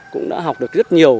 cũng đã học được rất nhiều